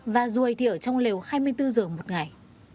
và ruồi thì ở trong lều hai mươi bốn giờ một ngày